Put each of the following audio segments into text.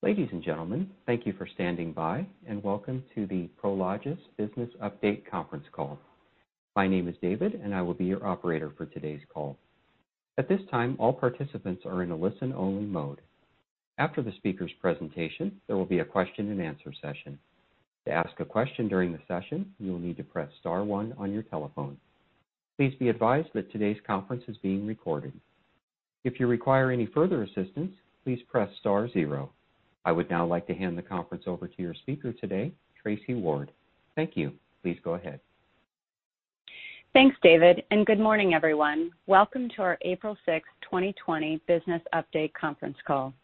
Ladies and gentlemen, thank you for standing by, and welcome to the Prologis business update conference call. My name is David, and I will be your operator for today's call. At this time, all participants are in a listen-only mode. After the speaker's presentation, there will be a question-and-answer session. To ask a question during the session, you will need to press star one on your telephone. Please be advised that today's conference is being recorded. If you require any further assistance, please press star zero. I would now like to hand the conference over to your speaker today, Tracy Ward. Thank you. Please go ahead. Thanks, David, and good morning, everyone. Welcome to our April 6th, 2020 business update conference call.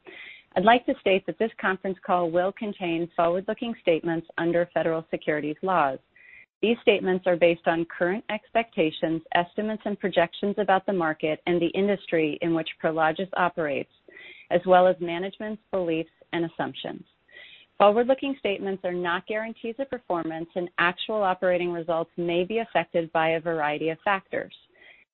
I would like to state that this conference call will contain forward-looking statements under federal securities laws. These statements are based on current expectations, estimates, and projections about the market and the industry in which Prologis operates, as well as management's beliefs and assumptions. Forward-looking statements are not guarantees of performance, and actual operating results may be affected by a variety of factors.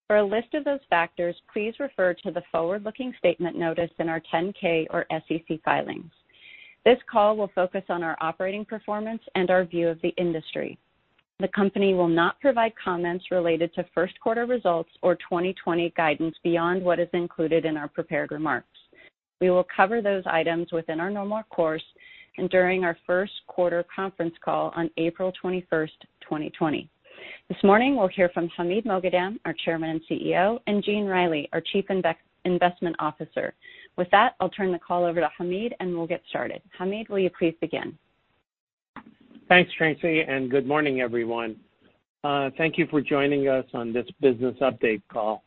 For a list of those factors, please refer to the forward-looking statement notice in our 10-K or SEC filings. This call will focus on our operating performance and our view of the industry. The company will not provide comments related to first quarter results or 2020 guidance beyond what is included in our prepared remarks. We will cover those items within our normal course and during our first quarter conference call on April 21st, 2020. This morning we'll hear from Hamid Moghadam, our Chairman and CEO, and Gene Reilly, our Chief Investment Officer. With that, I'll turn the call over to Hamid, and we'll get started. Hamid, will you please begin? Thanks, Tracy. Good morning, everyone. Thank you for joining us on this business update call.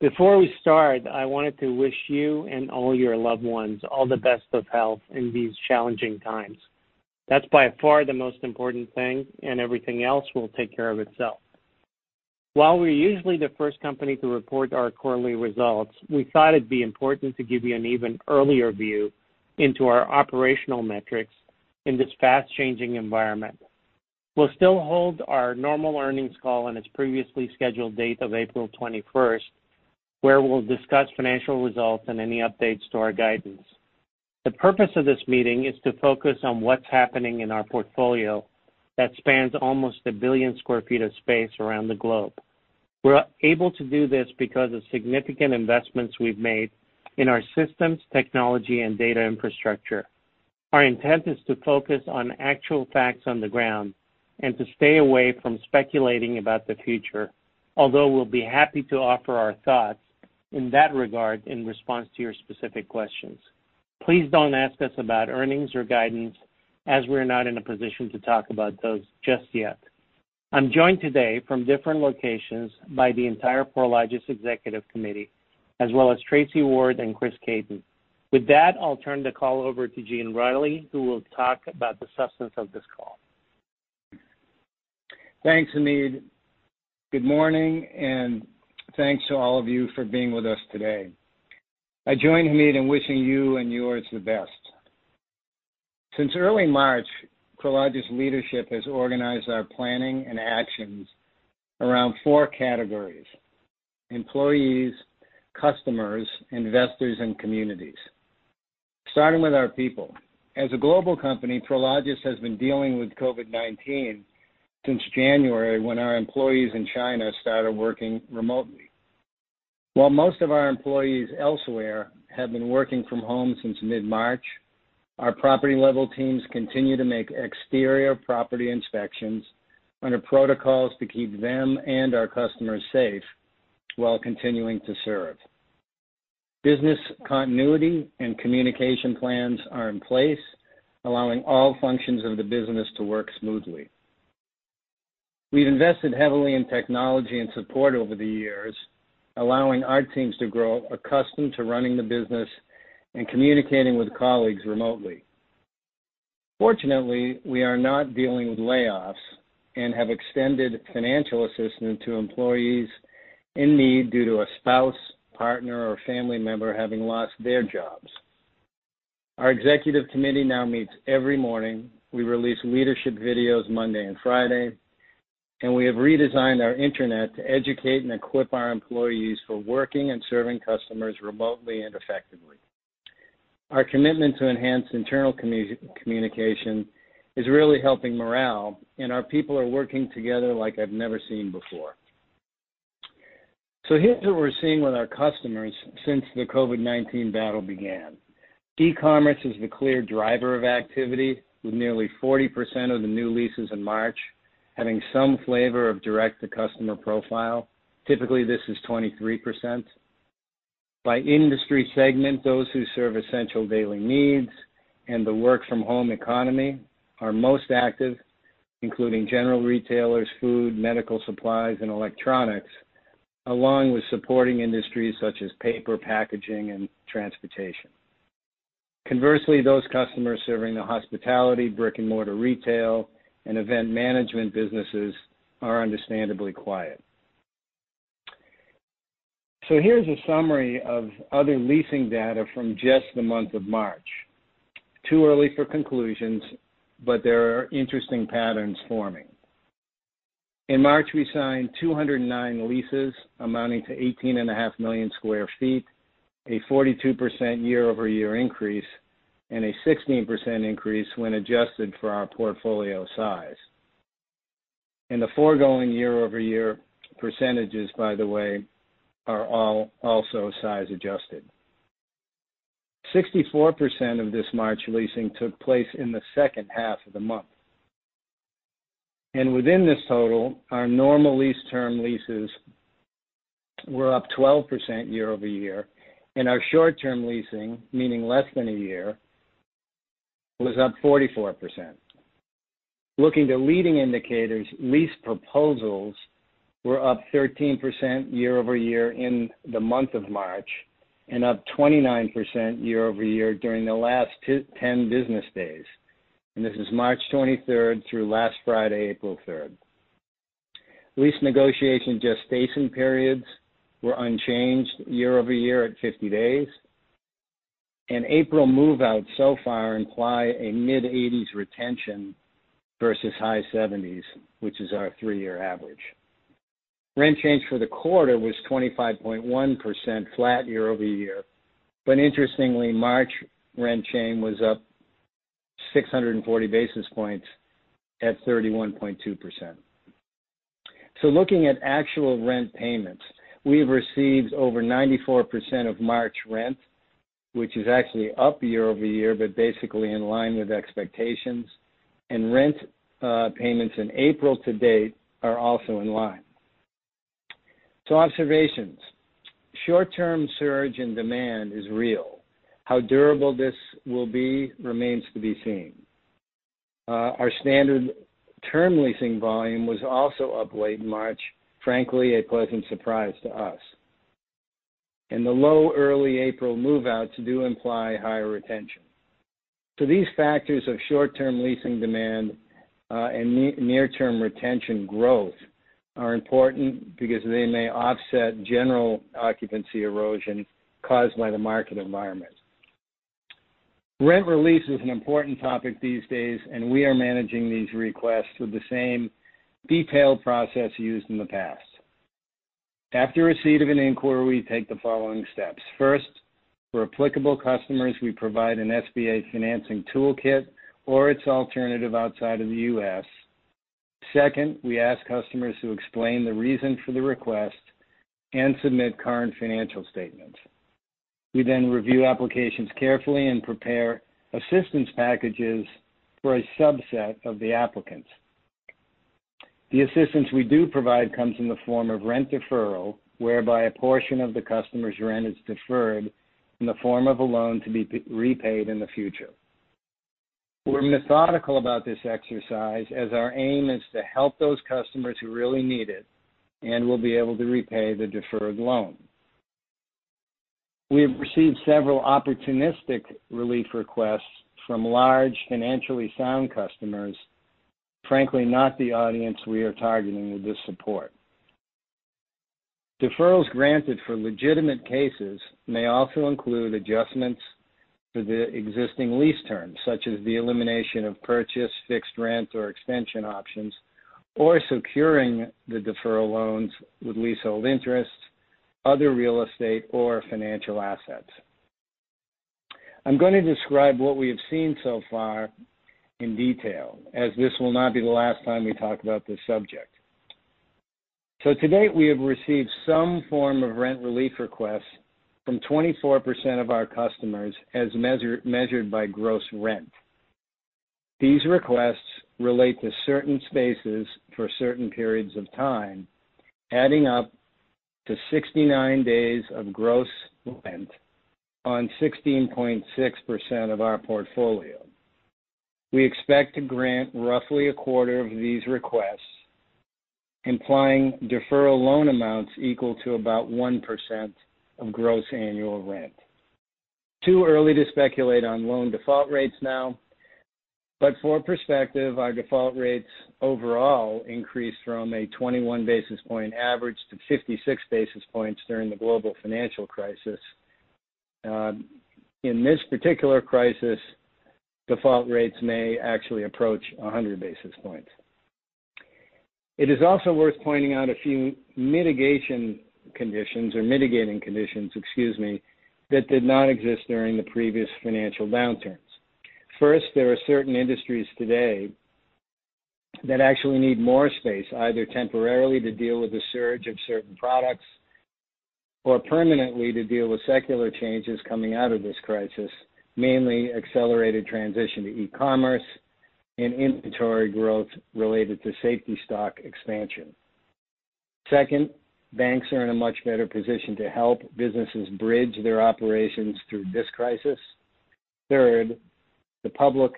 Before we start, I wanted to wish you and all your loved ones all the best of health in these challenging times. That's by far the most important thing. Everything else will take care of itself. While we're usually the first company to report our quarterly results, we thought it'd be important to give you an even earlier view into our operational metrics in this fast-changing environment. We'll still hold our normal earnings call on its previously scheduled date of April 21st, where we'll discuss financial results and any updates to our guidance. The purpose of this meeting is to focus on what's happening in our portfolio that spans almost 1 billion square feet of space around the globe. We're able to do this because of significant investments we've made in our systems, technology, and data infrastructure. Our intent is to focus on actual facts on the ground and to stay away from speculating about the future. Although, we'll be happy to offer our thoughts in that regard in response to your specific questions. Please don't ask us about earnings or guidance, as we're not in a position to talk about those just yet. I'm joined today from different locations by the entire Prologis executive committee, as well as Tracy Ward and Chris Caton. With that, I'll turn the call over to Gene Reilly, who will talk about the substance of this call. Thanks, Hamid. Good morning, and thanks to all of you for being with us today. I join Hamid in wishing you and yours the best. Since early March, Prologis leadership has organized our planning and actions around four categories: employees, customers, investors, and communities. Starting with our people, as a global company, Prologis has been dealing with COVID-19 since January, when our employees in China started working remotely. While most of our employees elsewhere have been working from home since mid-March, our property-level teams continue to make exterior property inspections under protocols to keep them and our customers safe while continuing to serve. Business continuity and communication plans are in place, allowing all functions of the business to work smoothly. We've invested heavily in technology and support over the years, allowing our teams to grow accustomed to running the business and communicating with colleagues remotely. Fortunately, we are not dealing with layoffs and have extended financial assistance to employees in need due to a spouse, partner, or family member having lost their jobs. Our executive committee now meets every morning. We release leadership videos Monday and Friday, and we have redesigned our internet to educate and equip our employees for working and serving customers remotely and effectively. Our commitment to enhance internal communication is really helping morale, and our people are working together like I've never seen before. Here's what we're seeing with our customers since the COVID-19 battle began. E-commerce is the clear driver of activity, with nearly 40% of the new leases in March having some flavor of direct-to-customer profile. Typically, this is 23%. By industry segment, those who serve essential daily needs and the work-from-home economy are most active, including general retailers, food, medical supplies, and electronics, along with supporting industries such as paper, packaging, and transportation. Conversely, those customers serving the hospitality, brick-and-mortar retail, and event management businesses are understandably quiet. Here's a summary of other leasing data from just the month of March. Too early for conclusions, but there are interesting patterns forming. In March, we signed 209 leases amounting to 18.5 million square feet, a 42% year-over-year increase, and a 16% increase when adjusted for our portfolio size. The foregoing year-over-year percentages, by the way, are all also size-adjusted. 64% of this March leasing took place in the second half of the month. Within this total, our normal lease term leases were up 12% year-over-year, and our short-term leasing, meaning less than a year, was up 44%. Looking to leading indicators, lease proposals were up 13% year-over-year in the month of March and up 29% year-over-year during the last 10 business days. This is March 23rd through last Friday, April 3rd. Lease negotiation gestation periods were unchanged year-over-year at 50 days. April move-outs so far imply a mid-80s retention versus high 70s, which is our three-year average. Rent change for the quarter was 25.1% flat year-over-year. Interestingly, March rent change was up 640 basis points at 31.2%. Looking at actual rent payments, we have received over 94% of March rent, which is actually up year-over-year, but basically in line with expectations, and rent payments in April to date are also in line. Observations. Short-term surge in demand is real. How durable this will be remains to be seen. Our standard term leasing volume was also up late March. Frankly, a pleasant surprise to us. The low early April move-outs do imply higher retention. These factors of short-term leasing demand and near-term retention growth are important because they may offset general occupancy erosion caused by the market environment. Rent relief is an important topic these days, and we are managing these requests with the same detailed process used in the past. After receipt of an inquiry, we take the following steps. First, for applicable customers, we provide an SBA financing toolkit or its alternative outside of the U.S. Second, we ask customers to explain the reason for the request and submit current financial statements. We review applications carefully and prepare assistance packages for a subset of the applicants. The assistance we do provide comes in the form of rent deferral, whereby a portion of the customer's rent is deferred in the form of a loan to be repaid in the future. We're methodical about this exercise, as our aim is to help those customers who really need it and will be able to repay the deferred loan. We have received several opportunistic relief requests from large, financially sound customers, frankly, not the audience we are targeting with this support. Deferrals granted for legitimate cases may also include adjustments to the existing lease terms, such as the elimination of purchase, fixed rent, or extension options, or securing the deferral loans with leasehold interests, other real estate, or financial assets. I'm going to describe what we have seen so far in detail, as this will not be the last time we talk about this subject. To date, we have received some form of rent relief requests from 24% of our customers as measured by gross rent. These requests relate to certain spaces for certain periods of time, adding up to 69 days of gross rent on 16.6% of our portfolio. We expect to grant roughly a quarter of these requests, implying deferral loan amounts equal to about 1% of gross annual rent. Too early to speculate on loan default rates now, but for perspective, our default rates overall increased from a 21 basis point average to 56 basis points during the global financial crisis. In this particular crisis, default rates may actually approach 100 basis points. It is also worth pointing out a few mitigation conditions or mitigating conditions, excuse me, that did not exist during the previous financial downturns. First, there are certain industries today that actually need more space, either temporarily to deal with the surge of certain products, or permanently to deal with secular changes coming out of this crisis, mainly accelerated transition to e-commerce and inventory growth related to safety stock expansion. Second, banks are in a much better position to help businesses bridge their operations through this crisis. Third, the public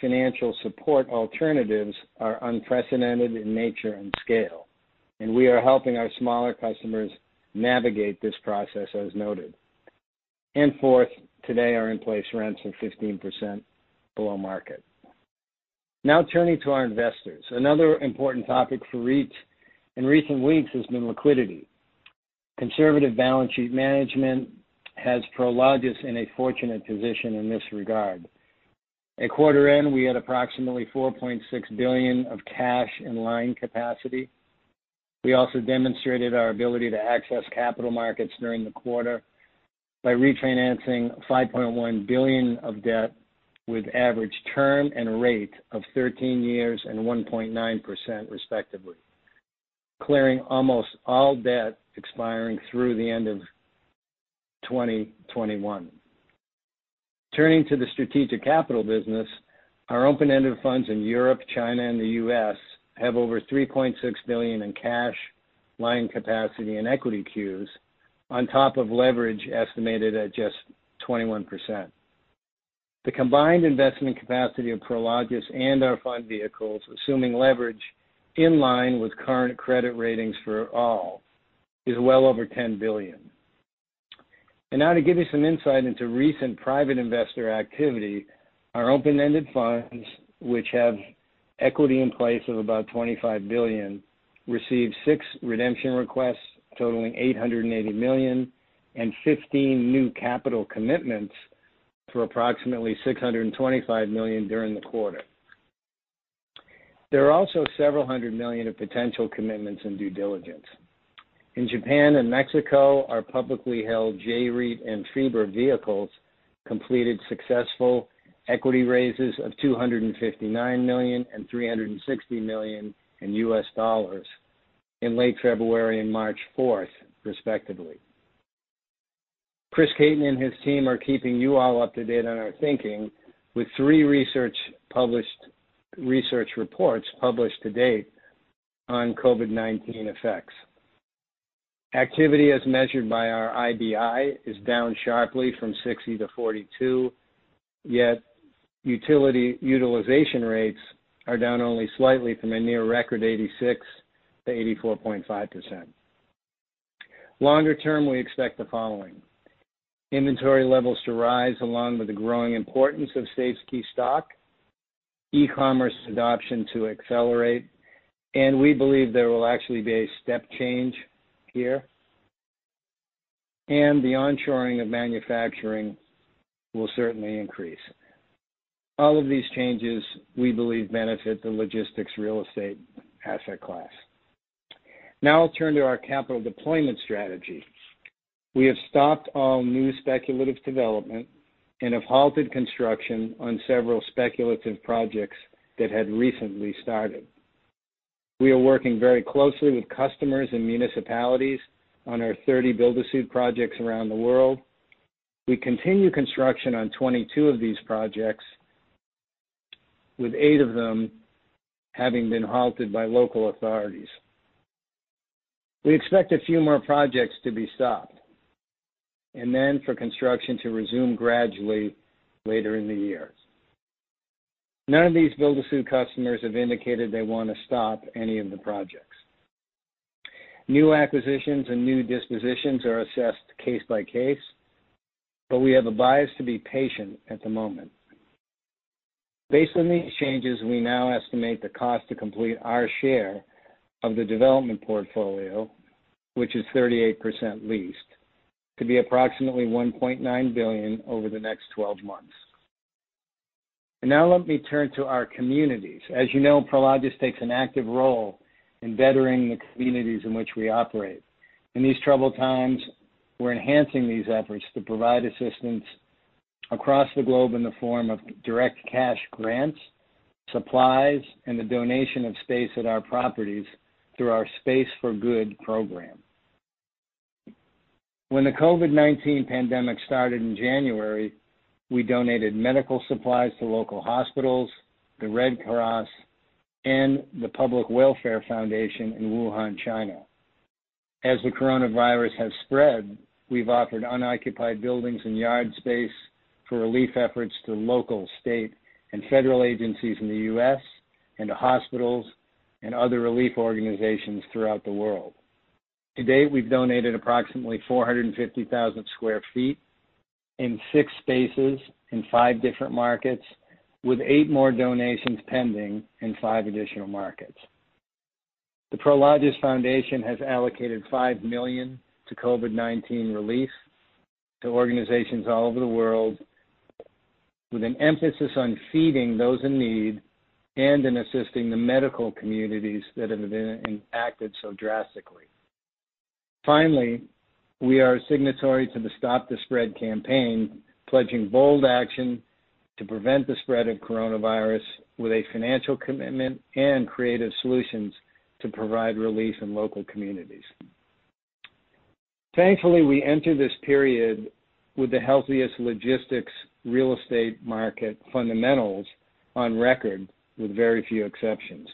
financial support alternatives are unprecedented in nature and scale, and we are helping our smaller customers navigate this process as noted. Fourth, today our in-place rents are 15% below market. Now turning to our investors. Another important topic for REIT in recent weeks has been liquidity. Conservative balance sheet management has Prologis in a fortunate position in this regard. At quarter end, we had approximately $4.6 billion of cash and line capacity. We also demonstrated our ability to access capital markets during the quarter by refinancing $5.1 billion of debt with average term and rate of 13 years and 1.9%, respectively, clearing almost all debt expiring through the end of 2021. Turning to the strategic capital business, our open-ended funds in Europe, China, and the U.S. have over $3.6 billion in cash, line capacity, and equity queues, on top of leverage estimated at just 21%. The combined investment capacity of Prologis and our fund vehicles, assuming leverage in line with current credit ratings for all, is well over $10 billion. Now to give you some insight into recent private investor activity, our open-ended funds, which have equity in place of about $25 billion, received six redemption requests totaling $880 million and 15 new capital commitments for approximately $625 million during the quarter. There are also several hundred million of potential commitments in due diligence. In Japan and Mexico, our publicly held J-REIT and FIBRA vehicles completed successful equity raises of $259 million and $360 million in US dollars in late February and March 4, respectively. Chris Caton and his team are keeping you all up to date on our thinking with three research reports published to date on COVID-19 effects. Activity as measured by our IBI is down sharply from 60 to 42, yet utilization rates are down only slightly from a near record 86%-84.5%. Longer term, we expect the following. Inventory levels to rise, along with the growing importance of safe keep stock, e-commerce adoption to accelerate, and we believe there will actually be a step change here, and the on-shoring of manufacturing will certainly increase. All of these changes we believe benefit the logistics real estate asset class. I'll turn to our capital deployment strategy. We have stopped all new speculative development and have halted construction on several speculative projects that had recently started. We are working very closely with customers and municipalities on our 30 build-to-suit projects around the world. We continue construction on 22 of these projects, with eight of them having been halted by local authorities. We expect a few more projects to be stopped, then for construction to resume gradually later in the year. None of these build-to-suit customers have indicated they want to stop any of the projects. New acquisitions and new dispositions are assessed case by case, we have a bias to be patient at the moment. Based on these changes, we now estimate the cost to complete our share of the development portfolio, which is 38% leased, to be approximately $1.9 billion over the next 12 months. Now let me turn to our communities. As you know, Prologis takes an active role in bettering the communities in which we operate. In these troubled times, we're enhancing these efforts to provide assistance across the globe in the form of direct cash grants, supplies, and the donation of space at our properties through our Space for Good program. When the COVID-19 pandemic started in January, we donated medical supplies to local hospitals, the Red Cross, and the China Population Welfare Foundation. As the coronavirus has spread, we've offered unoccupied buildings and yard space for relief efforts to local, state, and federal agencies in the U.S. and to hospitals and other relief organizations throughout the world. To date, we've donated approximately 450,000 sq ft in six spaces in five different markets, with eight more donations pending in five additional markets. The Prologis Foundation has allocated $5 million to COVID-19 relief to organizations all over the world, with an emphasis on feeding those in need and in assisting the medical communities that have been impacted so drastically. Finally, we are signatory to the Stop the Spread campaign, pledging bold action to prevent the spread of coronavirus with a financial commitment and creative solutions to provide relief in local communities. Thankfully, we enter this period with the healthiest logistics real estate market fundamentals on record, with very few exceptions.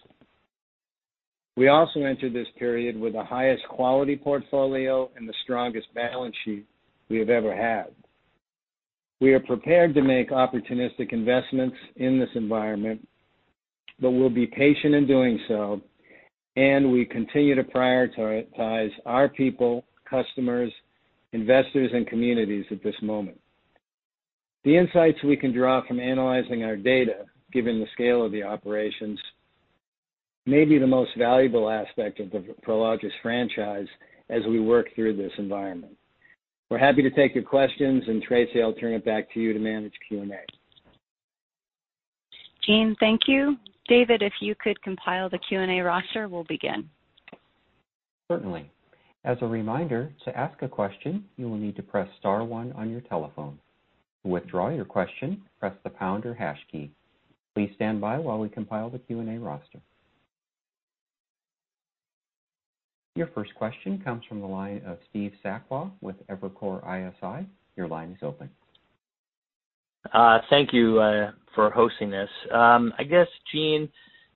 We also enter this period with the highest quality portfolio and the strongest balance sheet we have ever had. We are prepared to make opportunistic investments in this environment, but we'll be patient in doing so, and we continue to prioritize our people, customers, investors, and communities at this moment. The insights we can draw from analyzing our data, given the scale of the operations, may be the most valuable aspect of the Prologis franchise as we work through this environment. We're happy to take your questions, and Tracy, I'll turn it back to you to manage Q&A. Gene, thank you. David, if you could compile the Q&A roster, we'll begin. Certainly. As a reminder, to ask a question, you will need to press star one on your telephone. To withdraw your question, press the pound or hash key. Please stand by while we compile the Q&A roster. Your first question comes from the line of Steve Sakwa with Evercore ISI. Your line is open. Thank you for hosting this. I guess, Gene,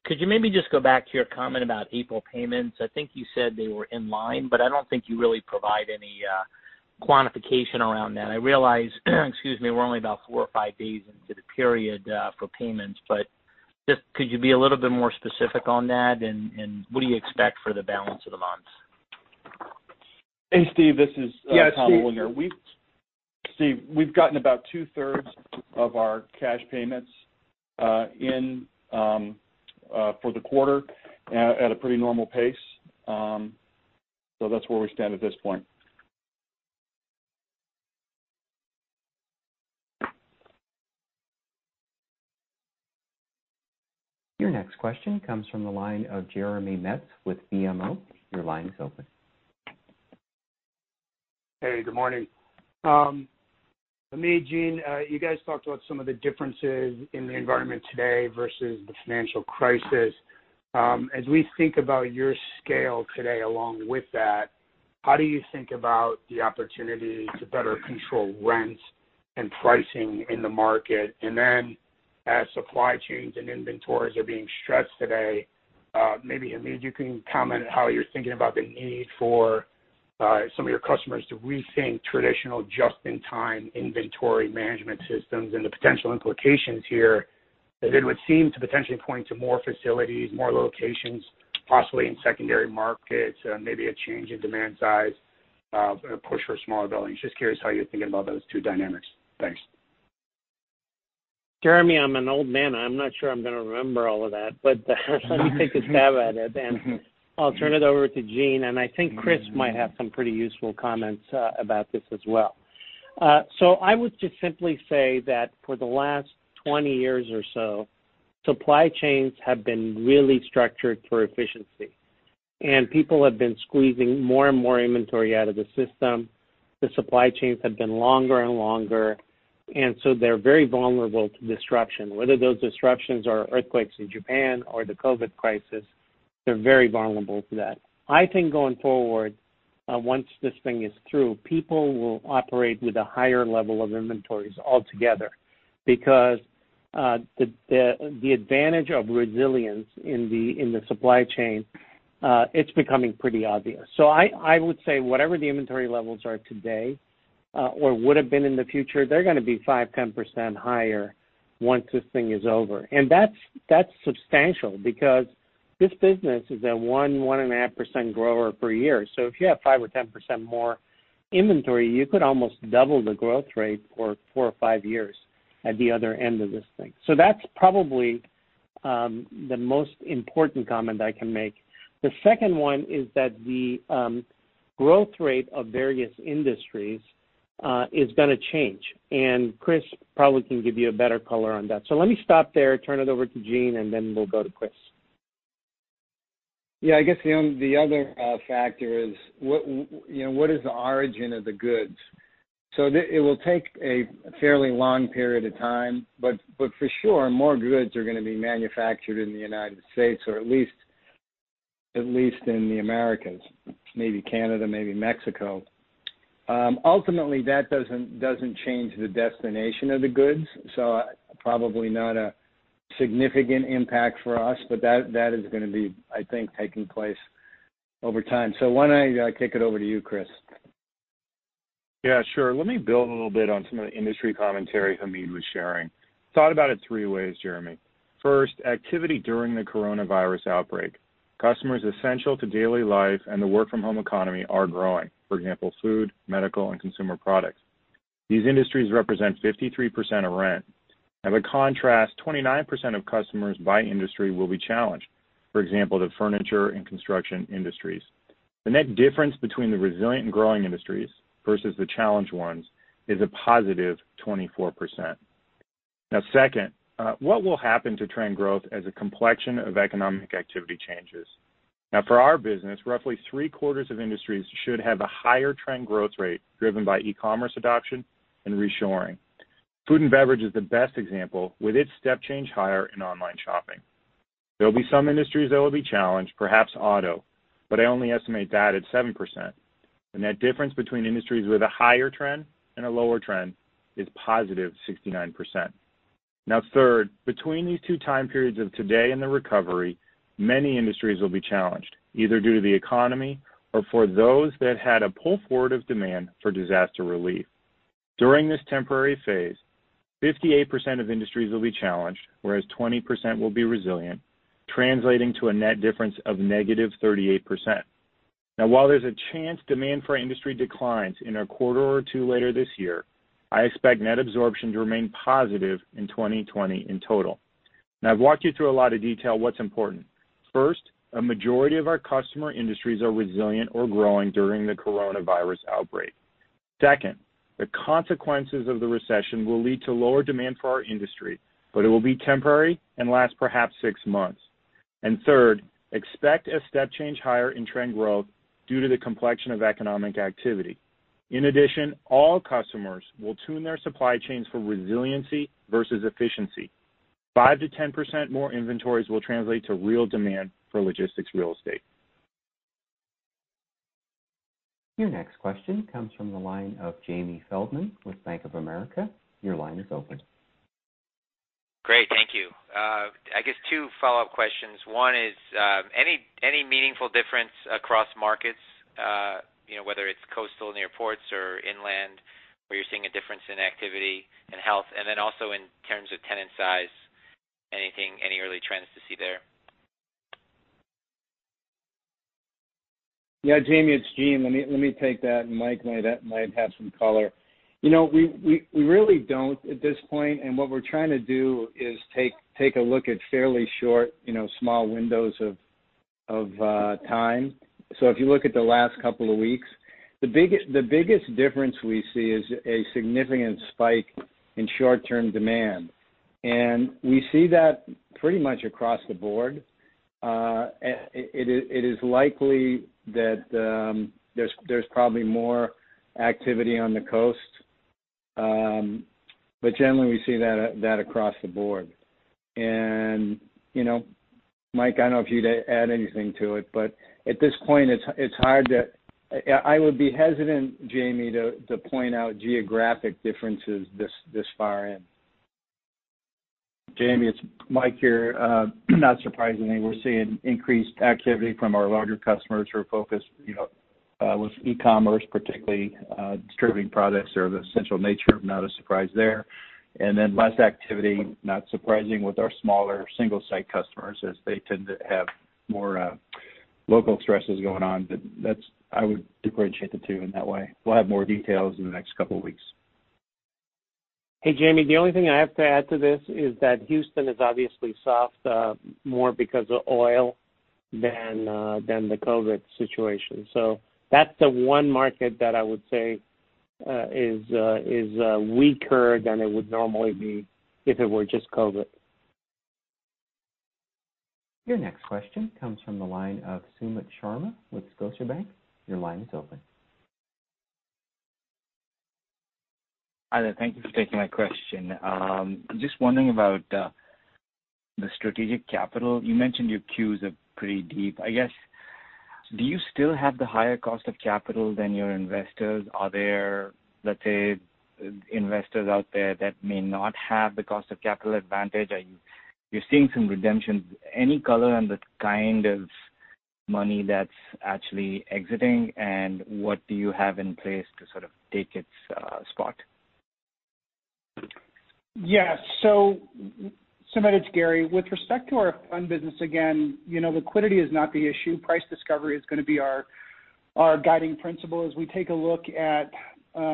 could you maybe just go back to your comment about April payments? I think you said they were in line, but I don't think you really provide any quantification around that. I realize, excuse me, we're only about four or five days into the period for payments. Just could you be a little bit more specific on that and what do you expect for the balance of the month? Hey, Steve, this is Tom Olinger. Steve, we've gotten about two-thirds of our cash payments in for the quarter at a pretty normal pace. That's where we stand at this point. Your next question comes from the line of Jeremy Metz with BMO. Your line is open. Hey, good morning. For me, Gene, you guys talked about some of the differences in the environment today versus the financial crisis. As we think about your scale today along with that, how do you think about the opportunity to better control rent and pricing in the market? As supply chains and inventories are being stressed today, maybe, Hamid, you can comment on how you're thinking about the need for some of your customers to rethink traditional just-in-time inventory management systems and the potential implications here, as it would seem to potentially point to more facilities, more locations, possibly in secondary markets, maybe a change in demand size, a push for smaller buildings. I'm curious how you're thinking about those two dynamics. Thanks. Jeremy, I'm an old man. I'm not sure I'm going to remember all of that, but let me take a stab at it, and I'll turn it over to Gene, and I think Chris might have some pretty useful comments about this as well. I would just simply say that for the last 20 years or so, supply chains have been really structured for efficiency, and people have been squeezing more and more inventory out of the system. The supply chains have been longer and longer, and so they're very vulnerable to disruption. Whether those disruptions are earthquakes in Japan or the COVID-19 crisis, they're very vulnerable to that. I think going forward, once this thing is through, people will operate with a higher level of inventories altogether because, the advantage of resilience in the supply chain, it's becoming pretty obvious. I would say whatever the inventory levels are today, or would have been in the future, they're going to be 5%-10% higher once this thing is over. That's substantial because this business is a 1%-1.5% grower per year. If you have 5% or 10% more inventory, you could almost double the growth rate for four or five years at the other end of this thing. That's probably the most important comment I can make. The second one is that the growth rate of various industries is going to change, Chris probably can give you a better color on that. Let me stop there, turn it over to Gene, we'll go to Chris. Yeah, I guess the other factor is what is the origin of the goods? It will take a fairly long period of time, but for sure, more goods are going to be manufactured in the U.S. or at least in the Americas, maybe Canada, maybe Mexico. Ultimately, that doesn't change the destination of the goods, so probably not a significant impact for us. That is going to be, I think, taking place over time. Why don't I kick it over to you, Chris? Yeah, sure. Let me build a little bit on some of the industry commentary Hamid was sharing. Thought about it three ways, Jeremy. First, activity during the coronavirus outbreak. Customers essential to daily life and the work from home economy are growing. For example, food, medical, and consumer products. These industries represent 53% of rent. As a contrast, 29% of customers by industry will be challenged, for example, the furniture and construction industries. The net difference between the resilient and growing industries versus the challenged ones is a positive 24%. Now, second, what will happen to trend growth as a complexion of economic activity changes? Now, for our business, roughly three-quarters of industries should have a higher trend growth rate driven by e-commerce adoption and reshoring. Food and beverage is the best example with its step change higher in online shopping. There will be some industries that will be challenged, perhaps auto, but I only estimate that at 7%. The net difference between industries with a higher trend and a lower trend is positive 69%. Third, between these two time periods of today and the recovery, many industries will be challenged, either due to the economy or for those that had a pull forward of demand for disaster relief. During this temporary phase, 58% of industries will be challenged, whereas 20% will be resilient, translating to a net difference of negative 38%. While there's a chance demand for our industry declines in a quarter or two later this year, I expect net absorption to remain positive in 2020 in total. I've walked you through a lot of detail. What's important? First, a majority of our customer industries are resilient or growing during the coronavirus outbreak. Second, the consequences of the recession will lead to lower demand for our industry, but it will be temporary and last perhaps six months. Third, expect a step change higher in trend growth due to the complexion of economic activity. In addition, all customers will tune their supply chains for resiliency versus efficiency. 5%-10% more inventories will translate to real demand for logistics real estate. Your next question comes from the line of Jamie Feldman with Bank of America. Your line is open. Great. Thank you. I guess two follow-up questions. One is, any meaningful difference across markets, whether it's coastal near ports or inland, where you're seeing a difference in activity and health? Also in terms of tenant size, any early trends to see there? Jamie, it's Gene. Let me take that, and Mike might have some color. We really don't at this point, and what we're trying to do is take a look at fairly short, small windows of time. If you look at the last couple of weeks, the biggest difference we see is a significant spike in short-term demand. We see that pretty much across the board. It is likely that there's probably more activity on the coast. Generally, we see that across the board. Mike, I don't know if you'd add anything to it, but at this point, I would be hesitant, Jamie, to point out geographic differences this far in. Jamie, it's Mike here. Not surprisingly, we're seeing increased activity from our larger customers who are focused with e-commerce particularly, distributing products that are of an essential nature. Not a surprise there. Less activity, not surprising, with our smaller single-site customers as they tend to have more local stresses going on. I would differentiate the two in that way. We'll have more details in the next couple of weeks. Hey, Jamie. The only thing I have to add to this is that Houston is obviously soft, more because of oil than the COVID situation. That's the one market that I would say is weaker than it would normally be if it were just COVID. Your next question comes from the line of Sumit Sharma with Scotiabank. Your line is open. Hi there. Thank you for taking my question. I'm just wondering about the strategic capital. You mentioned your queues are pretty deep. I guess, do you still have the higher cost of capital than your investors? Are there, let's say, investors out there that may not have the cost of capital advantage? Are you seeing some redemptions? Any color on the kind of money that's actually exiting, and what do you have in place to sort of take its spot? Sumit, it's Gary Anderson. With respect to our fund business, again, liquidity is not the issue. Price discovery is going to be our guiding principle as we take a look at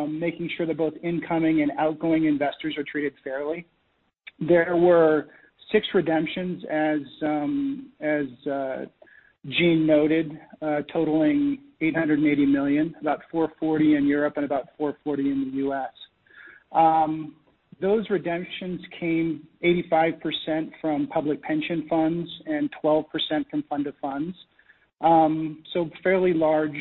making sure that both incoming and outgoing investors are treated fairly. There were six redemptions as Gene Reilly noted, totaling $880 million, about $440 million in Europe and about $440 million in the U.S. Those redemptions came 85% from public pension funds and 12% from fund to funds. Fairly large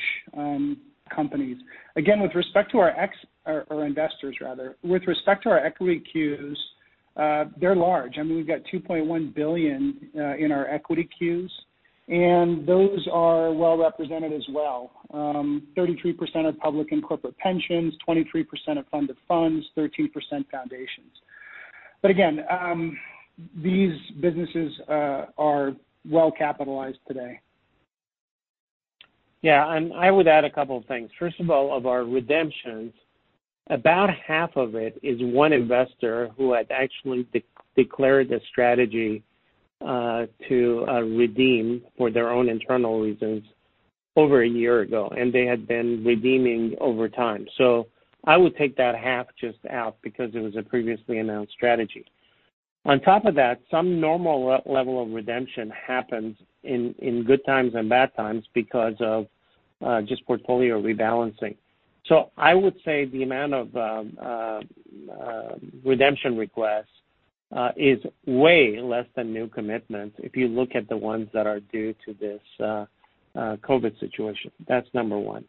companies. Again, with respect to our investors rather, with respect to our equity queues, they're large. I mean, we've got $2.1 billion in our equity queues, and those are well-represented as well. 33% of public and corporate pensions, 23% of fund to funds, 13% foundations. Again, these businesses are well-capitalized today. Yeah, I would add a couple of things. First of all, of our redemptions, about half of it is one investor who had actually declared a strategy to redeem for their own internal reasons over a year ago, and they had been redeeming over time. I would take that half just out because it was a previously announced strategy. On top of that, some normal level of redemption happens in good times and bad times because of just portfolio rebalancing. I would say the amount of redemption requests is way less than new commitments if you look at the ones that are due to this COVID situation. That's number 1.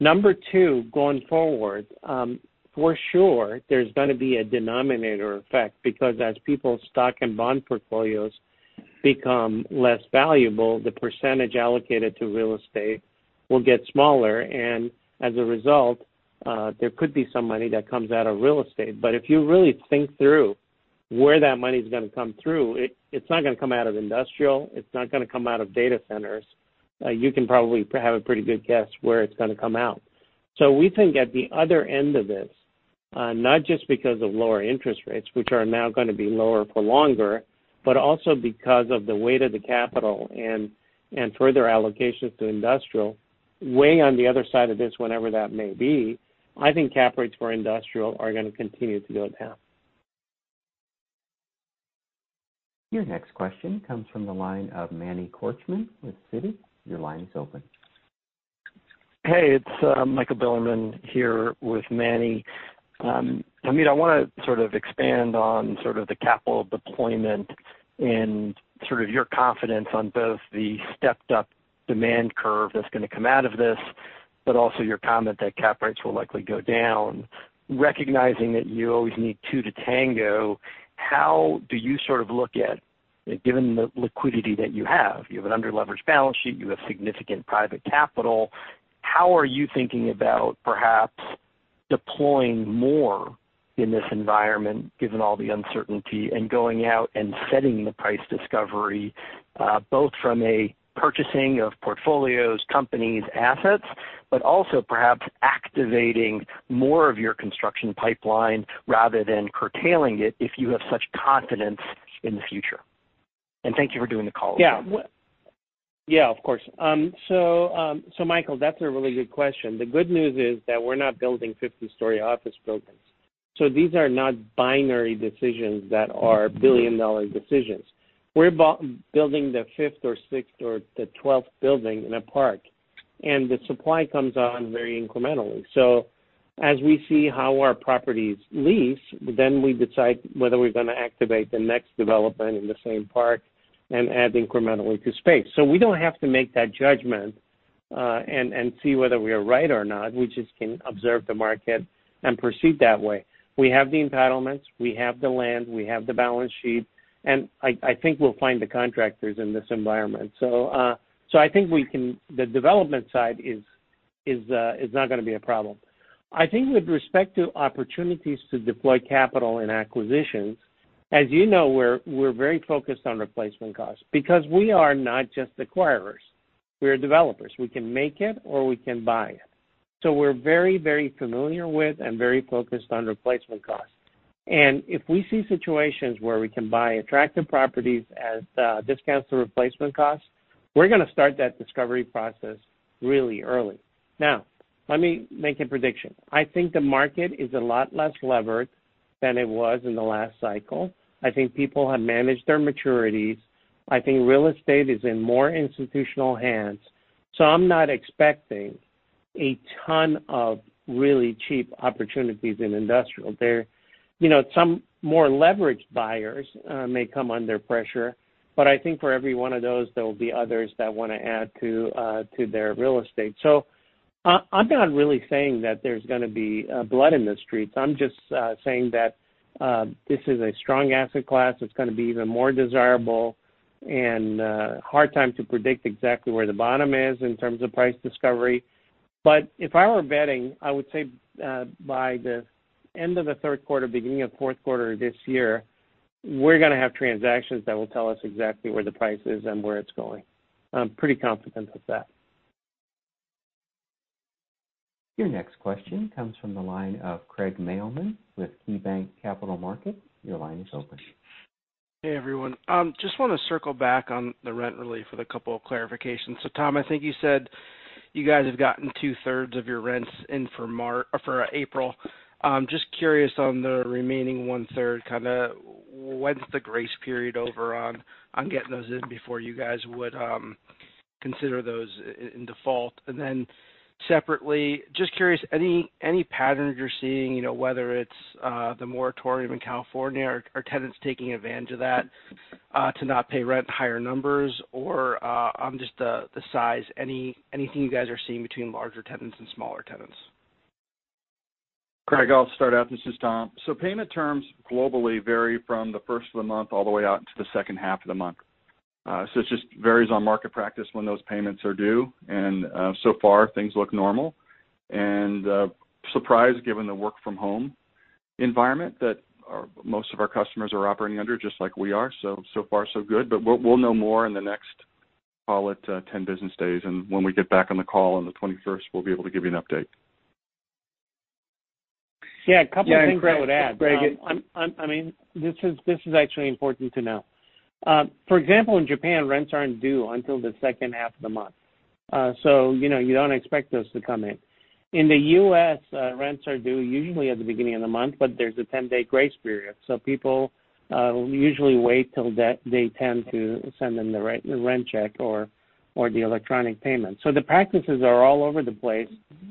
Number two, going forward, for sure, there's going to be a denominator effect because as people's stock and bond portfolios become less valuable, the percentage allocated to real estate will get smaller, and as a result, there could be some money that comes out of real estate. If you really think through where that money's going to come through, it's not going to come out of industrial, it's not going to come out of data centers. You can probably have a pretty good guess where it's going to come out. We think at the other end of this, not just because of lower interest rates, which are now going to be lower for longer, but also because of the weight of the capital and further allocations to industrial. Way on the other side of this, whenever that may be, I think cap rates for industrial are going to continue to go down. Your next question comes from the line of Manny Korchman with Citi. Your line is open. Hey, it's Michael Bilerman here with Manny. Hamid, I want to sort of expand on the capital deployment and your confidence on both the stepped-up demand curve that's going to come out of this, but also your comment that cap rates will likely go down. Recognizing that you always need two to tango, how do you sort of look at, given the liquidity that you have, you have an under-leveraged balance sheet, you have significant private capital, how are you thinking about perhaps deploying more in this environment, given all the uncertainty and going out and setting the price discovery, both from a purchasing of portfolios, companies, assets, but also perhaps activating more of your construction pipeline rather than curtailing it if you have such confidence in the future? Thank you for doing the call. Yeah, of course. Michael, that's a really good question. The good news is that we're not building 50-story office buildings. These are not binary decisions that are billion-dollar decisions. We're building the fifth or sixth or the 12th building in a park, and the supply comes on very incrementally. As we see how our properties lease, then we decide whether we're going to activate the next development in the same park and add incrementally to space. We don't have to make that judgment, and see whether we are right or not. We just can observe the market and proceed that way. We have the entitlements. We have the land. We have the balance sheet, and I think we'll find the contractors in this environment. I think the development side is not going to be a problem. I think with respect to opportunities to deploy capital in acquisitions, as you know, we're very focused on replacement costs because we are not just acquirers. We are developers. We can make it, or we can buy it. We're very, very familiar with and very focused on replacement costs. If we see situations where we can buy attractive properties at discounts to replacement costs, we're going to start that discovery process really early. Now, let me make a prediction. I think the market is a lot less levered than it was in the last cycle. I think people have managed their maturities. I think real estate is in more institutional hands. I'm not expecting a ton of really cheap opportunities in industrial. Some more leveraged buyers may come under pressure, I think for every one of those, there will be others that want to add to their real estate. I'm not really saying that there's going to be blood in the streets. I'm just saying that this is a strong asset class. It's going to be even more desirable and hard time to predict exactly where the bottom is in terms of price discovery. If I were betting, I would say by the end of the third quarter, beginning of fourth quarter this year, we're going to have transactions that will tell us exactly where the price is and where it's going. I'm pretty confident with that. Your next question comes from the line of Craig Mailman with KeyBanc Capital Markets. Your line is open. Hey, everyone. Just want to circle back on the rent relief with a couple of clarifications. Tom, I think you said you guys have gotten two-thirds of your rents in for April. Just curious on the remaining one-third, when is the grace period over on getting those in before you guys would consider those in default? Separately, just curious, any patterns you're seeing, whether it's the moratorium in California, are tenants taking advantage of that to not pay rent in higher numbers? On just the size, anything you guys are seeing between larger tenants and smaller tenants? Craig, I'll start out. This is Tom. Payment terms globally vary from the first of the month all the way out into the second half of the month. It just varies on market practice when those payments are due, and so far things look normal. Surprised given the work from home environment that most of our customers are operating under just like we are. So far so good. We'll know more in the next, call it 10 business days, and when we get back on the call on the 21st, we'll be able to give you an update. Yeah, a couple of things I would add. Yeah, Craig. This is actually important to know. For example, in Japan, rents aren't due until the second half of the month. You don't expect those to come in. In the U.S., rents are due usually at the beginning of the month, but there's a 10-day grace period. People usually wait till day 10 to send in the rent check or the electronic payment. The practices are all over the place,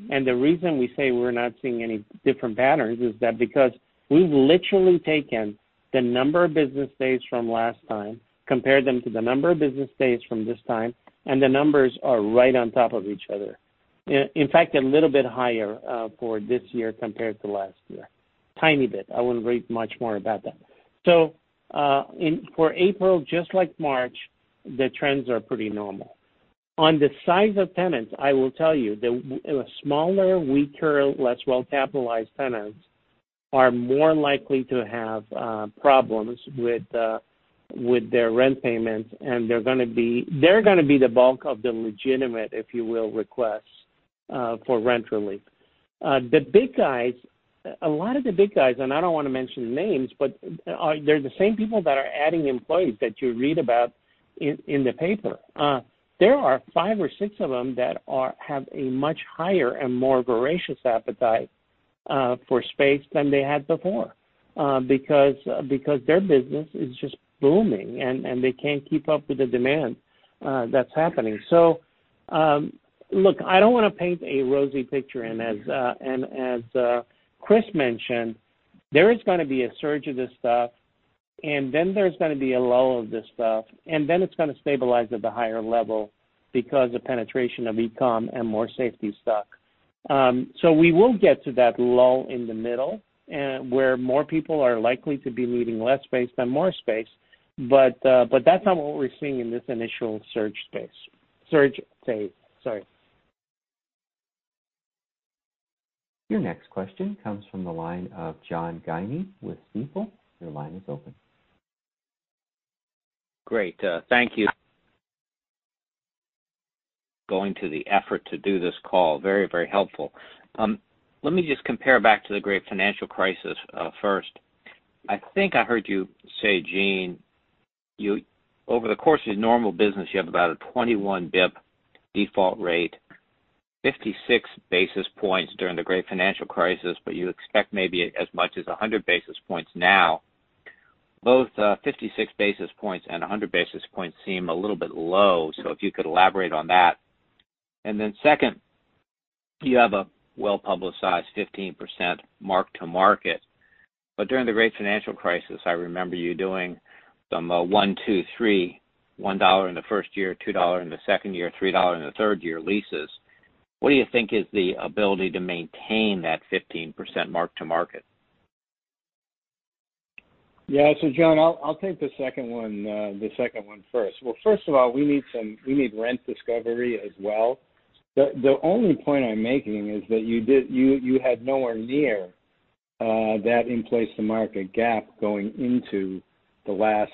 and the reason we say we're not seeing any different patterns is that because we've literally taken the number of business days from last time, compared them to the number of business days from this time, and the numbers are right on top of each other. In fact, a little bit higher for this year compared to last year. Tiny bit. I wouldn't read much more about that. For April, just like March, the trends are pretty normal. On the size of tenants, I will tell you that the smaller, weaker, less well-capitalized tenants are more likely to have problems with their rent payments, and they're going to be the bulk of the legitimate, if you will, requests for rent relief. The big guys, a lot of the big guys, and I don't want to mention names, but they're the same people that are adding employees that you read about in the paper. There are five or six of them that have a much higher and more voracious appetite for space than they had before because their business is just booming, and they can't keep up with the demand that's happening. Look, I don't want to paint a rosy picture. As Chris mentioned, there is going to be a surge of this stuff, and then there's going to be a lull of this stuff, and then it's going to stabilize at the higher level because of penetration of e-com and more safety stock. We will get to that lull in the middle, where more people are likely to be leaving less space than more space, but that's not what we're seeing in this initial surge phase. Sorry. Your next question comes from the line of John Guinee with Stifel. Your line is open. Great. Thank you. Going to the effort to do this call, very, very helpful. Let me just compare back to the great financial crisis first. I think I heard you say, Gene, over the course of normal business, you have about a 21 basis points default rate, 56 basis points during the great financial crisis, but you expect maybe as much as 100 basis points now. Both 56 basis points and 100 basis points seem a little bit low, so if you could elaborate on that. Then second, you have a well-publicized 15% mark to market. During the great financial crisis, I remember you doing some a one, two, three, $1 in the first year, $2 in the second year, $3 in the third year leases. What do you think is the ability to maintain that 15% mark to market? John, I'll take the second one first. First of all, we need rent discovery as well. The only point I'm making is that you had nowhere near that in-place-to-market gap going into the last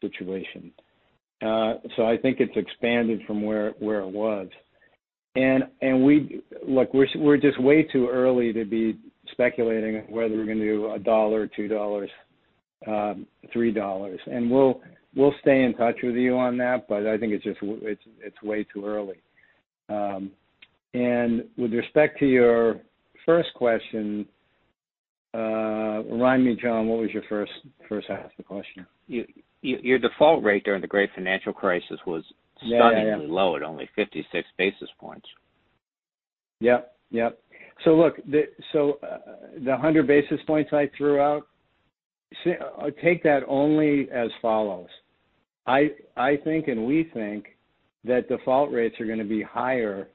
situation. I think it's expanded from where it was. Look, we're just way too early to be speculating whether we're going to do $1, $2, $3. We'll stay in touch with you on that, but I think it's way too early. With respect to your first question, remind me, John, what was your first half of the question? Your default rate during the great financial crisis was- Yeah. stunningly low at only 56 basis points. Yep. Look, the 100 basis points I threw out, take that only as follows. I think, and we think that default rates are going to be higher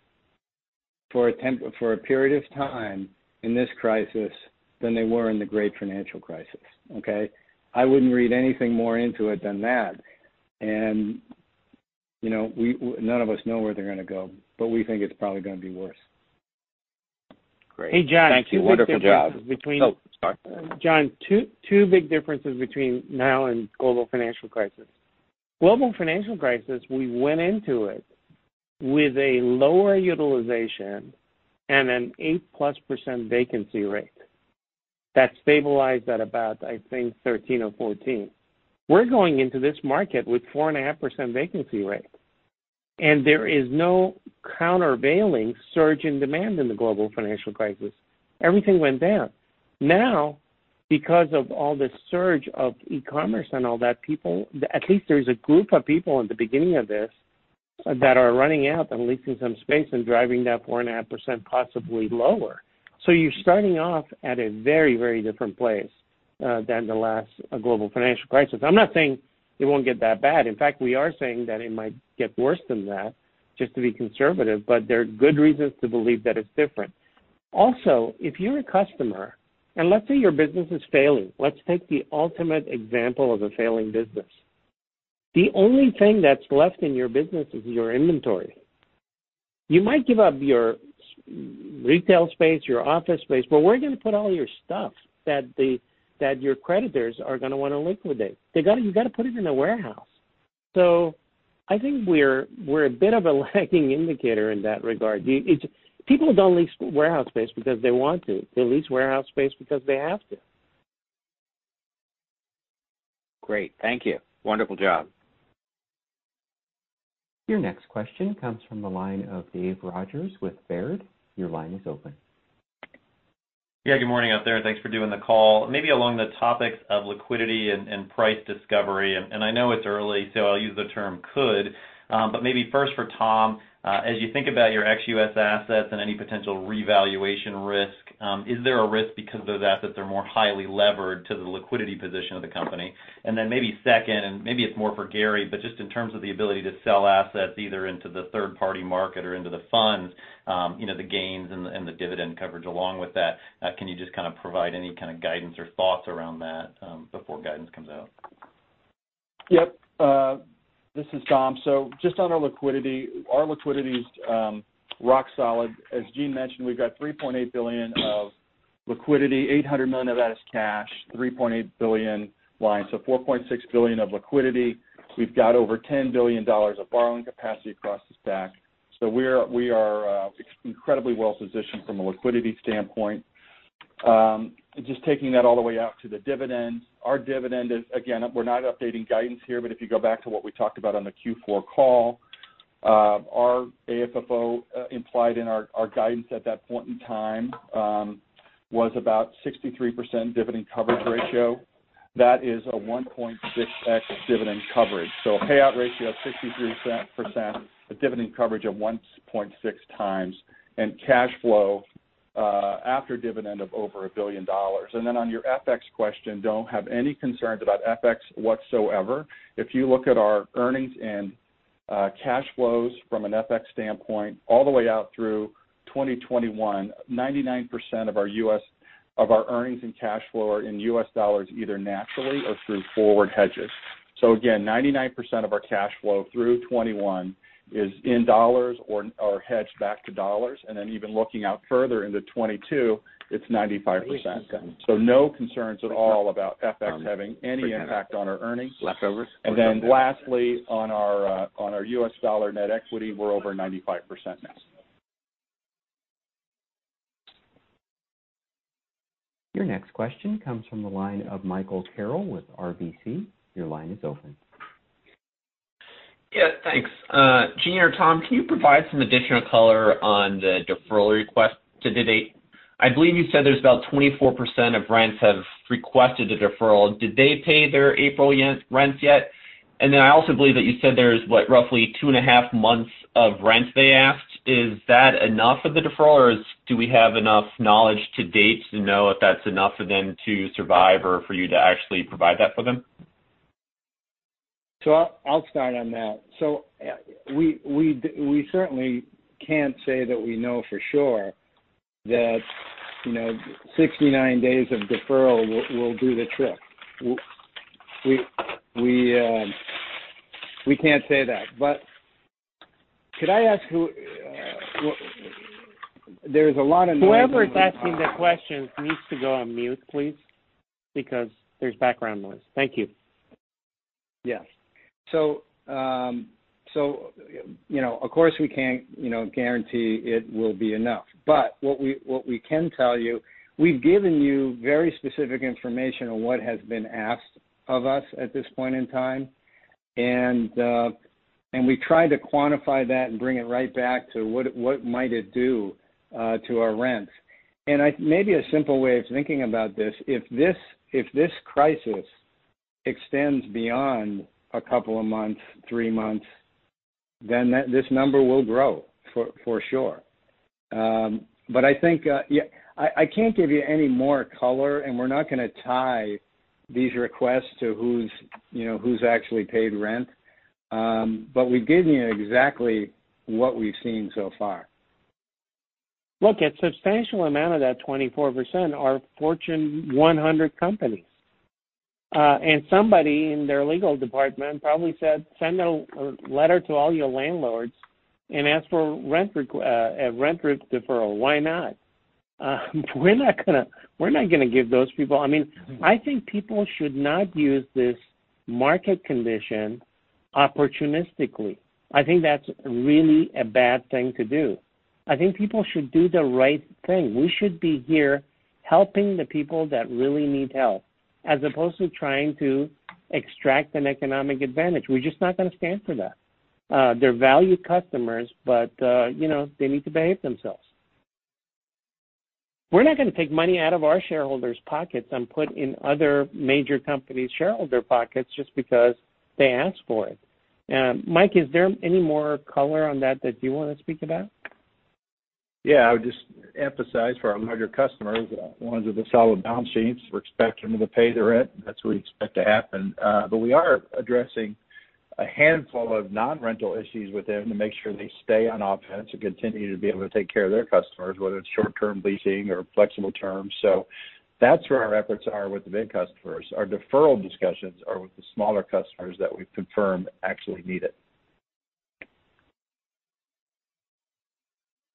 for a period of time in this crisis than they were in the Great Financial Crisis. Okay? I wouldn't read anything more into it than that. None of us know where they're going to go, but we think it's probably going to be worse. Great. Thank you. Wonderful job. Hey, John, two big differences. Oh, sorry. John, two big differences between now and global financial crisis. Global financial crisis, we went into it with a lower utilization and an 8%+ vacancy rate that stabilized at about, I think, 13 or 14. We're going into this market with 4.5% vacancy rate, and there is no countervailing surge in demand in the global financial crisis. Everything went down. Because of all the surge of e-commerce and all that, at least there's a group of people at the beginning of this that are running out and leasing some space and driving that 4.5% possibly lower. You're starting off at a very, very different place than the last global financial crisis. I'm not saying it won't get that bad. We are saying that it might get worse than that, just to be conservative, but there are good reasons to believe that it's different. If you're a customer, and let's say your business is failing, let's take the ultimate example of a failing business. The only thing that's left in your business is your inventory. You might give up your retail space, your office space, but where are you going to put all your stuff that your creditors are going to want to liquidate? You got to put it in a warehouse. I think we're a bit of a lagging indicator in that regard. People don't lease warehouse space because they want to. They lease warehouse space because they have to. Great. Thank you. Wonderful job. Your next question comes from the line of Dave Rogers with Baird. Your line is open. Yeah, good morning out there, and thanks for doing the call. Maybe along the topics of liquidity and price discovery, I know it's early, I'll use the term could. Maybe first for Tom, as you think about your ex-U.S. assets and any potential revaluation risk, is there a risk because those assets are more highly levered to the liquidity position of the company? Maybe second, maybe it's more for Gary, just in terms of the ability to sell assets either into the third-party market or into the funds, the gains and the dividend coverage along with that, can you just kind of provide any kind of guidance or thoughts around that before guidance comes out? Yep. This is Tom. Just on our liquidity, our liquidity is rock solid. As Gene mentioned, we've got $3.8 billion of liquidity. $800 million of that is cash, $3.8 billion line, $4.6 billion of liquidity. We are incredibly well-positioned from a liquidity standpoint. Just taking that all the way out to the dividend. Our dividend is, again, we're not updating guidance here, but if you go back to what we talked about on the Q4 call, our AFFO implied in our guidance at that point in time was about 63% dividend coverage ratio. That is a 1.6x dividend coverage. A payout ratio of 63%, a dividend coverage of 1.6x, and cash flow after dividend of over $1 billion. On your FX question, don't have any concerns about FX whatsoever. If you look at our earnings and cash flows from an FX standpoint all the way out through 2021, 99% of our earnings and cash flow are in U.S. dollars, either naturally or through forward hedges. Again, 99% of our cash flow through 2021 is in US dollars or hedged back to US dollars. Even looking out further into 2022, it's 95%. No concerns at all about FX having any impact on our earnings. Lastly, on our US dollar net equity, we're over 95% now. Your next question comes from the line of Michael Carroll with RBC. Your line is open. Yeah, thanks. Gene or Tom, can you provide some additional color on the deferral request to date? I believe you said there's about 24% of rents have requested a deferral. Did they pay their April rents yet? I also believe that you said there is, what, roughly two and a half months of rent they asked. Is that enough of the deferral, or do we have enough knowledge to date to know if that's enough for them to survive or for you to actually provide that for them? I'll start on that. We certainly can't say that we know for sure that 69 days of deferral will do the trick. We can't say that. Could I ask who? There's a lot of noise in the background. Whoever is asking that question needs to go on mute, please, because there's background noise. Thank you. Of course, we can't guarantee it will be enough. But what we can tell you, we've given you very specific information on what has been asked of us at this point in time, and we tried to quantify that and bring it right back to what might it do to our rents. Maybe a simple way of thinking about this, if this crisis extends beyond a couple of months, three months, then this number will grow, for sure. I think I can't give you any more color, and we're not going to tie these requests to who's actually paid rent. We've given you exactly what we've seen so far. Look, a substantial amount of that 24% are Fortune 100 companies. Somebody in their legal department probably said, Send a letter to all your landlords and ask for a rent deferral. Why not? I think people should not use this market condition opportunistically. I think that's really a bad thing to do. I think people should do the right thing. We should be here helping the people that really need help, as opposed to trying to extract an economic advantage. We're just not going to stand for that. They're valued customers, but they need to behave themselves. We're not going to take money out of our shareholders' pockets and put in other major companies' shareholder pockets just because they ask for it. Mike, is there any more color on that that you want to speak about? Yeah. I would just emphasize for our larger customers, the ones with the solid balance sheets, we're expecting them to pay their rent. That's what we expect to happen. We are addressing a handful of non-rental issues with them to make sure they stay on offense and continue to be able to take care of their customers, whether it's short-term leasing or flexible terms. That's where our efforts are with the big customers. Our deferral discussions are with the smaller customers that we've confirmed actually need it.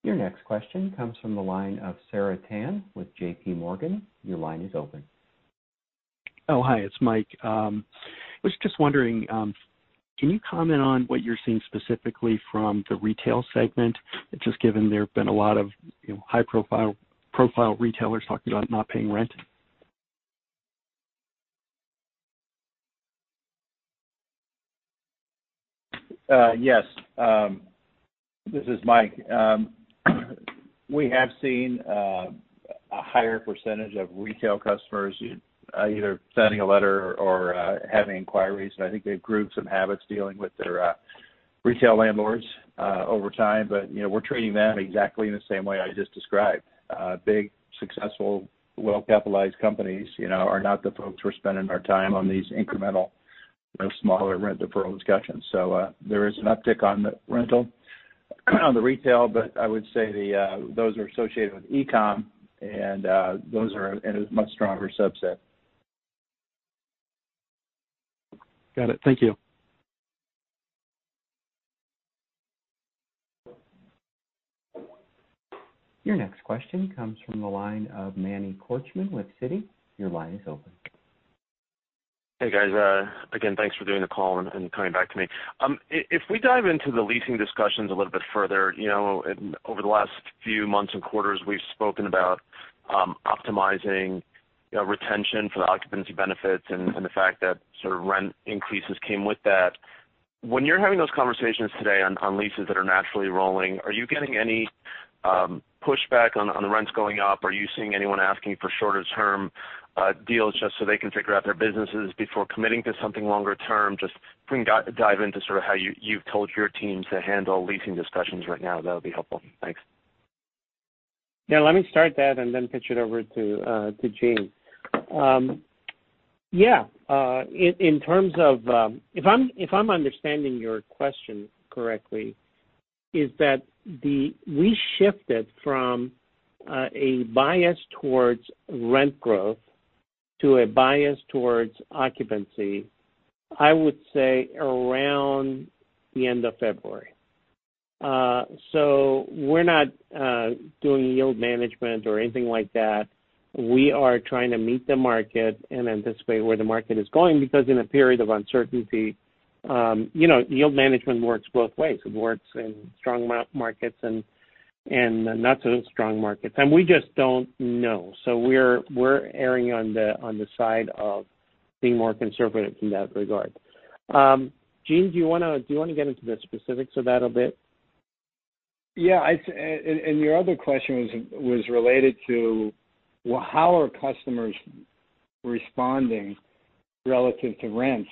Your next question comes from the line of Sarah Tan with JPMorgan. Your line is open. Oh, hi. It's Mike. I was just wondering, can you comment on what you're seeing specifically from the retail segment? Just given there have been a lot of high-profile retailers talking about not paying rent. Yes. This is Mike. We have seen a higher percentage of retail customers either sending a letter or having inquiries, I think they've grew some habits dealing with their retail landlords over time. We're treating them exactly in the same way I just described. Big, successful, well-capitalized companies are not the folks we're spending our time on these incremental, smaller rent deferral discussions. There is an uptick on rental On the retail, I would say those are associated with e-com, and those are in a much stronger subset. Got it. Thank you. Your next question comes from the line of Manny Korchman with Citi. Your line is open. Hey, guys. Again, thanks for doing the call and coming back to me. If we dive into the leasing discussions a little bit further, over the last few months and quarters, we've spoken about optimizing retention for the occupancy benefits and the fact that sort of rent increases came with that. When you're having those conversations today on leases that are naturally rolling, are you getting any pushback on the rents going up? Are you seeing anyone asking for shorter term deals just so they can figure out their businesses before committing to something longer term? Just if we can dive into sort of how you've told your team to handle leasing discussions right now, that would be helpful. Thanks. Let me start that and then pitch it over to Gene. If I'm understanding your question correctly, is that we shifted from a bias towards rent growth to a bias towards occupancy, I would say around the end of February. We're not doing yield management or anything like that. We are trying to meet the market and anticipate where the market is going, because in a period of uncertainty, yield management works both ways. It works in strong markets and not so strong markets. We just don't know. We're erring on the side of being more conservative in that regard. Gene, do you want to get into the specifics of that a bit? Yeah. Your other question was related to how are customers responding relative to rents.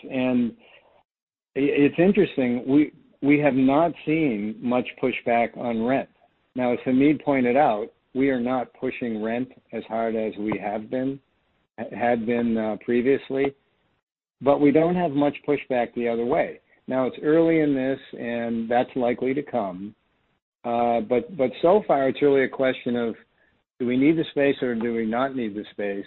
It's interesting, we have not seen much pushback on rent. Now, as Hamid pointed out, we are not pushing rent as hard as we had been previously. We don't have much pushback the other way. Now, it's early in this, and that's likely to come. So far, it's really a question of, do we need the space or do we not need the space?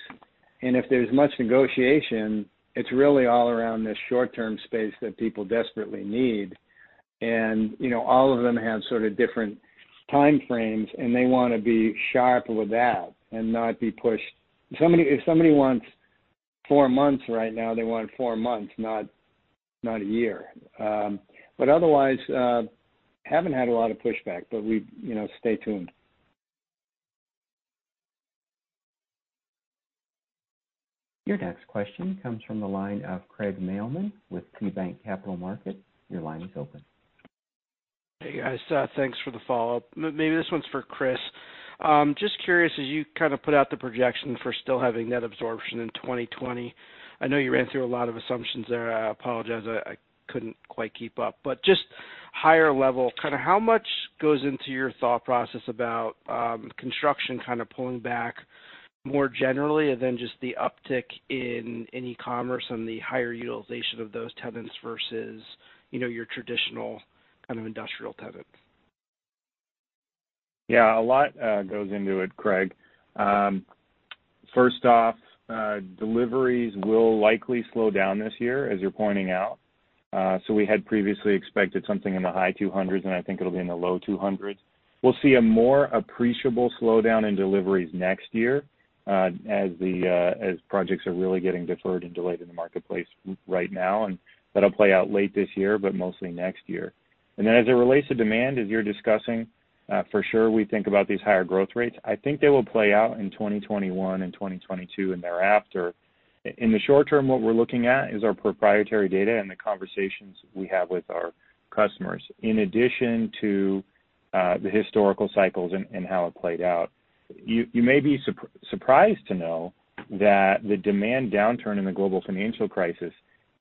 If there's much negotiation, it's really all around this short-term space that people desperately need. All of them have sort of different time frames, and they want to be sharp with that and not be pushed. If somebody wants four months right now, they want four months, not a year. Otherwise, haven't had a lot of pushback, but stay tuned. Your next question comes from the li ne of Craig Mailman with KeyBanc Capital Markets. Your line is open. Hey, guys. Thanks for the follow-up. Maybe this one's for Chris. Just curious, as you kind of put out the projection for still having net absorption in 2020. I know you ran through a lot of assumptions there. I apologize. I couldn't quite keep up. Just higher level, kind of how much goes into your thought process about construction kind of pulling back more generally than just the uptick in e-commerce and the higher utilization of those tenants versus your traditional kind of industrial tenants? Yeah, a lot goes into it, Craig. First off, deliveries will likely slow down this year, as you're pointing out. We had previously expected something in the high 200s, and I think it'll be in the low 200s. We'll see a more appreciable slowdown in deliveries next year as projects are really getting deferred and delayed in the marketplace right now, and that'll play out late this year, but mostly next year. As it relates to demand, as you're discussing, for sure, we think about these higher growth rates. I think they will play out in 2021 and 2022 and thereafter. In the short term, what we're looking at is our proprietary data and the conversations we have with our customers, in addition to the historical cycles and how it played out. You may be surprised to know that the demand downturn in the global financial crisis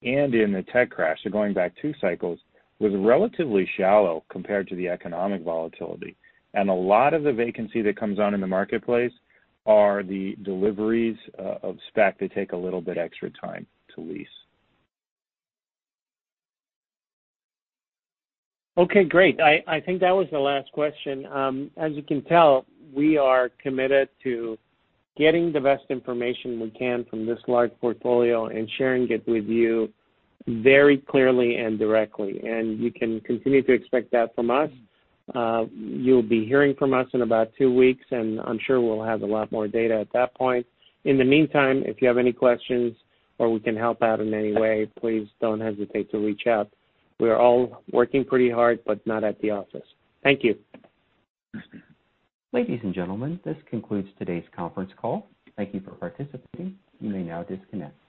and in the tech crash, so going back two cycles, was relatively shallow compared to the economic volatility. A lot of the vacancy that comes on in the marketplace are the deliveries of spec that take a little bit extra time to lease. Okay, great. I think that was the last question. As you can tell, we are committed to getting the best information we can from this large portfolio and sharing it with you very clearly and directly. You can continue to expect that from us. You'll be hearing from us in about two weeks. I'm sure we'll have a lot more data at that point. In the meantime, if you have any questions or we can help out in any way, please don't hesitate to reach out. We are all working pretty hard, but not at the office. Thank you. Ladies and gentlemen, this concludes today's conference call. Thank you for participating. You may now disconnect.